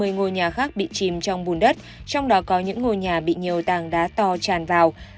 năm mươi ngôi nhà khác bị chìm trong bùn đất trong đó có những ngôi nhà bị nhiều tàng đá to tràn vào